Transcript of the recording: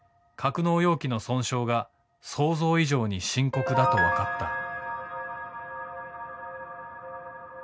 格納容器の損傷が想像以上に深刻だと分かった。